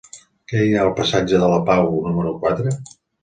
Què hi ha al passatge de la Pau número quatre?